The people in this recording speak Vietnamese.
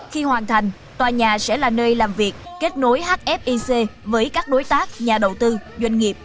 khi hoàn thành tòa nhà sẽ là nơi làm việc kết nối hfic với các đối tác nhà đầu tư doanh nghiệp